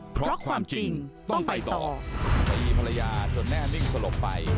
เพราะความจริงต้องไปต่อตีภรรยาจนแน่นิ่งสลบไป